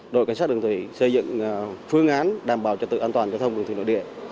đội cảnh sát đường thủy xây dựng phương án đảm bảo trật tự an toàn giao thông đường thủy nội địa